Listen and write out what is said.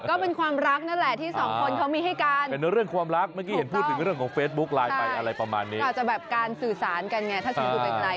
โอ้โหยากไปเลยชอบนี้